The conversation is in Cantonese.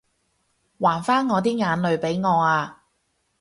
還返我啲眼淚畀我啊